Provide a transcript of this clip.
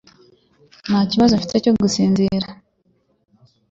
Nta kibazo mfite cyo gusinzira